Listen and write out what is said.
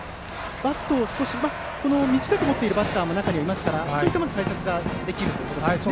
バットを短く持っているバッターも中にはいますからそういった対策がまずできると。